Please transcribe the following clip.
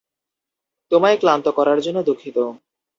তোমায় ক্লান্ত করার জন্য দুঃখিত।